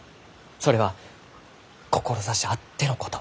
それは志あってのこと。